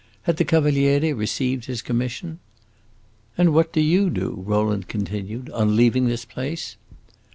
Had the Cavaliere received his commission? "And what do you do," Rowland continued, "on leaving this place?"